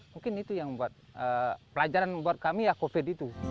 mungkin itu yang membuat pelajaran buat kami ya covid itu